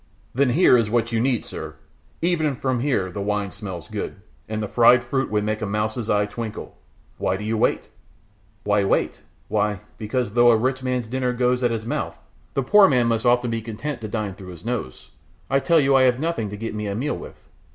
"Then here is what you need, sir, even from here the wine smells good, and the fried fruit would make a mouse's eye twinkle. Why do you wait?" "Why wait? Why, because though the rich man's dinner goes in at his mouth, the poor man must often be content to dine through his nose. I tell you I have nothing to get me a meal with."